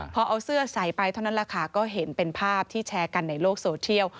พอเอาเสื้อใส่ไปเท่านั้นแหละค่ะก็เห็นเป็นภาพที่แชร์กันในโลกโซเทียล